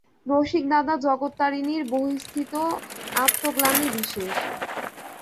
রসিকদাদা জগত্তারিণীর বহিঃস্থিত আত্মগ্লানিবিশেষ।